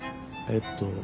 えっと。